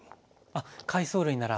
あっ海藻類なら。